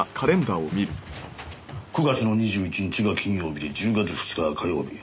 ９月の２１日が金曜日で１０月２日は火曜日。